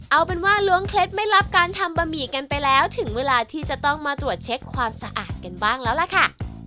เอาเป็นว่าล้วงเคล็ดลับการทำบะหมี่กันไปแล้วถึงเวลาที่จะต้องมาตรวจเช็คความสะอาดกันบ้างแล้วล่ะค่ะ